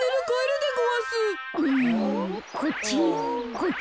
こっち？